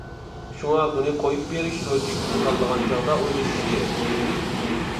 شۇڭا بۇنى قويۇپ بېرىش روجىكىنى تاللىغان چاغدا ئويلىشىش كېرەك.